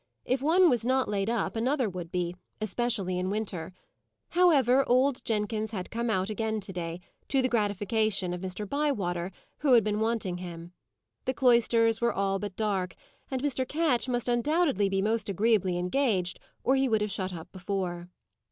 If one was not laid up, another would be, especially in winter. However, old Jenkins had come out again to day, to the gratification of Mr. Bywater, who had been wanting him. The cloisters were all but dark, and Mr. Ketch must undoubtedly be most agreeably engaged, or he would have shut up before.